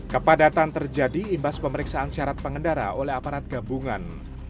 kepadatan terjadi imbas pemeriksaan syarat pengendara oleh aparat gabungan